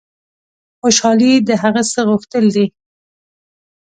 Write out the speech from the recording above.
خوشحالي د هغه څه غوښتل دي.